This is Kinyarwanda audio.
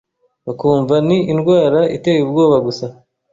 bakumva ni indwara iteye ubwoba gusa